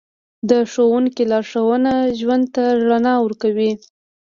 د ښوونکي لارښوونه ژوند ته رڼا ورکوي.